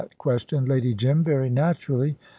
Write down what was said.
questioned Lady Jim, very naturally.